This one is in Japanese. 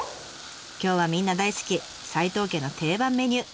今日はみんな大好き斎藤家の定番メニュー！